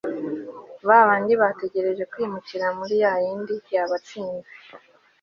babandi bategereje kwimukira muri yayindi y'abatsinze